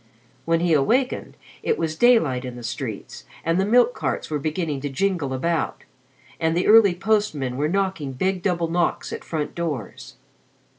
When he awakened, it was daylight in the streets, and the milk carts were beginning to jingle about, and the early postmen were knocking big double knocks at front doors.